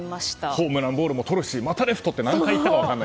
ホームランボールもとるしまたレフト！って何回言ったかあ！